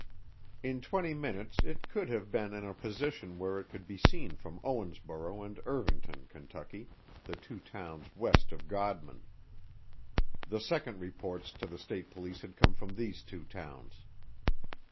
In twenty minutes it could have been in a position where it could be seen from Owensboro and Irvington, Kentucky, the two towns west of Godman. The second reports to the state police had come from these two towns.